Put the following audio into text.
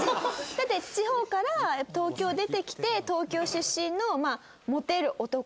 だって地方から東京出てきて東京出身のモテる男